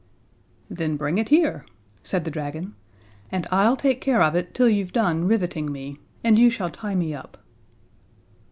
"Then bring it here," said the dragon, "and I'll take care of it till you've done riveting me, and you shall tie me up."